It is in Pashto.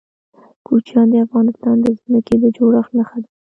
کوچیان د افغانستان د ځمکې د جوړښت نښه ده.